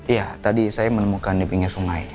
iya tadi saya menemukan di pinggir sungai